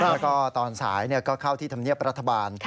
แล้วก็ตอนสายก็เข้าที่ธรรมเนียบรัฐบาล